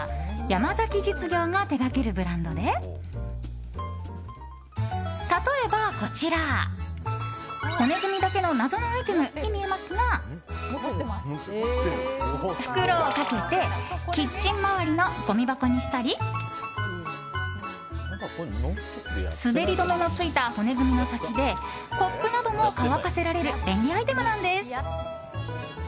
山崎実業が手掛けるブランドで例えばこちら、骨組みだけの謎のアイテムに見えますが袋をかけてキッチン周りのごみ箱にしたり滑り止めのついた骨組みの先でコップなども乾かせられる便利アイテムなんです。